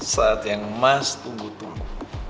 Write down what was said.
saat yang mas tunggu tunggu